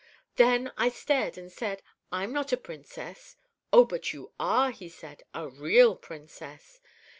"Then I stared, and said, 'I'm not a Princess.' "'Oh, but you are,' he said; 'a real Princess.'